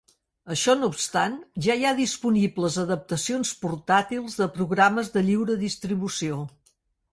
Això no obstant, ja hi ha disponibles adaptacions portàtils de programes de lliure distribució.